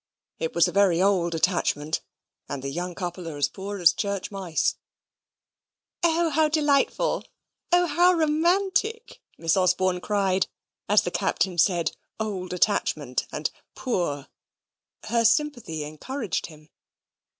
"It was a very old attachment, and the young couple are as poor as church mice." "O, how delightful! O, how romantic!" Miss Osborne cried, as the Captain said "old attachment" and "poor." Her sympathy encouraged him.